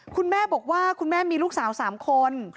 คุณแม่บอกว่าคุณแม่มีลูกสาว๓คน